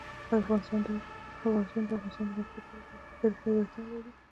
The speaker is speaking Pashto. افغانستان د د افغانستان د موقعیت په اړه مشهور تاریخی روایتونه لري.